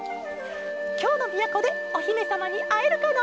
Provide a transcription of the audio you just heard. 「きょうのみやこでおひめさまにあえるかな？